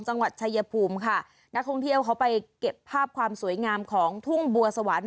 จังหวัดชายภูมิค่ะนักท่องเที่ยวเขาไปเก็บภาพความสวยงามของทุ่งบัวสวรรค์